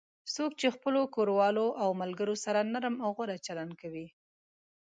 څوک چې خپلو کوروالو او ملگرو سره نرم او غوره چلند کوي